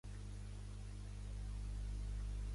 Era un dels legats de Juli Cèsar a la Gàl·lia.